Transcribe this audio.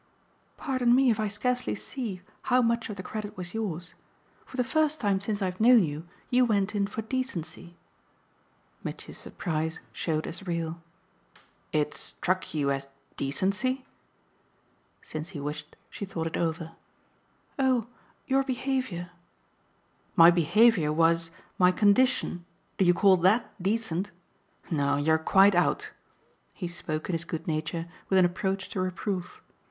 "Pardon me if I scarcely see how much of the credit was yours. For the first time since I've known you, you went in for decency." Mitchy's surprise showed as real. "It struck you as decency ?" Since he wished she thought it over. "Oh your behaviour !" "My behaviour was my condition. Do you call THAT decent? No, you're quite out." He spoke, in his good nature, with an approach to reproof.